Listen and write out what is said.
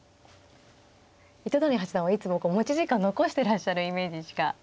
糸谷八段はいつも持ち時間残してらっしゃるイメージしかないんですけれど。